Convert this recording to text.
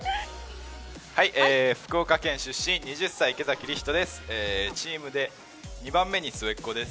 福岡県出身２０歳、池崎理人です。